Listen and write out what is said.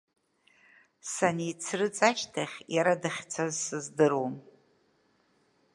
Саницрыҵ ашьҭахь иара дахьцаз сыздыруам.